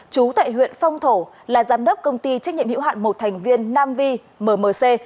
chú tại huyện phong thổ là giám đốc công ty trách nhiệm hữu hạn một thành viên nam vi mmc